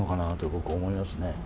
僕は思いますね。